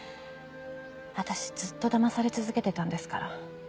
私ずっとだまされ続けてたんですから。